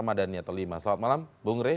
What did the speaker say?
madaniat lima selamat malam bung rey